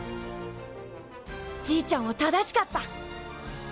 じいちゃんは正しかった。